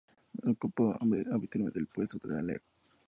Ocupaba habitualmente el puesto de alero.